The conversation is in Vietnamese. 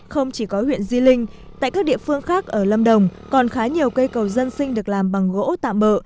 không chỉ có huyện di linh tại các địa phương khác ở lâm đồng còn khá nhiều cây cầu dân sinh được làm bằng gỗ tạm bỡ